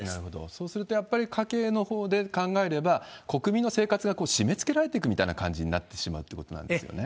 そうするとやっぱり家計のほうで考えれば、国民の生活が締めつけられていくみたいな感じになってしまうってことなんですよね。